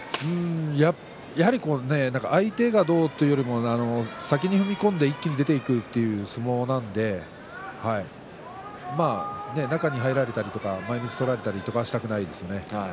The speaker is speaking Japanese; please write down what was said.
やはり相手がどうというより先に飛び込んで一気に出ていくという相撲なので中に入られたりとか前みつ取られたりはしたくないですね。